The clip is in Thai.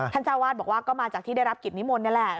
เจ้าวาดบอกว่าก็มาจากที่ได้รับกิจนิมนต์นี่แหละ